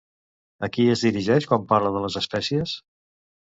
A qui es dirigeix quan parla de les espècies?